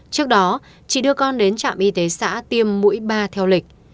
trước đó chị đưa con đến trạm y tế xã tiêm mũi ba theo lịch